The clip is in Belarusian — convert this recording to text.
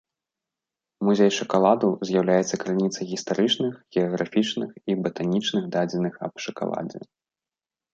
Музей шакаладу з'яўляецца крыніцай гістарычных, геаграфічных і батанічных дадзеных аб шакаладзе.